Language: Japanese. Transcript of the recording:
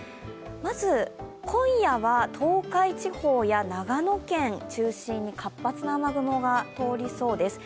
まず、今夜は東海地方や長野県中心に活発な雨雲が通りそうです。